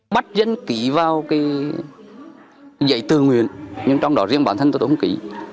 bắt dẫn kỹ vào dạy tư nguyện nhưng trong đó riêng bản thân tôi không kỹ